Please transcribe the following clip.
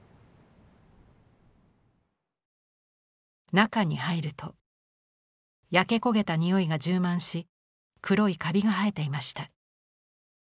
中に入ると焼け焦げたにおいが充満し黒いカビが生えていました。